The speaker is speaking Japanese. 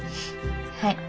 はい。